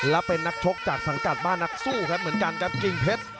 และเป็นนักชกจากสังกัดบ้านนักสู้ครับเหมือนกันครับกิ่งเพชร